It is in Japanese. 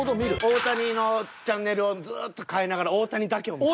大谷のチャンネルをずっと変えながら大谷だけを見てます。